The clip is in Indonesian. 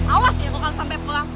awas ya kalau kamu sampai pulang